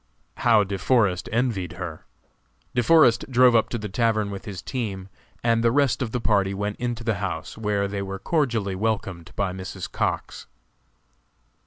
How De Forest envied her! De Forest drove up to the tavern with his team, and the rest of the party went into the house, where they were cordially welcomed by Mrs. Cox.